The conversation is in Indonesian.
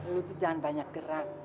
lo tuh jangan banyak gerak